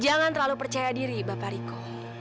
jangan terlalu percaya diri bapak riko